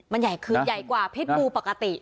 มันใหญ่ขึ้นใหญ่กว่าพิษบูปกติ